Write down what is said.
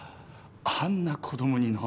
あんな子供に何が。